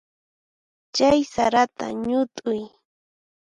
Chay sarata ñut'uy.